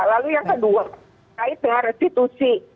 lalu yang kedua kait dengan restitusi